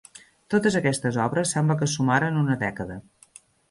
Totes aquestes obres sembla que sumaren una dècada.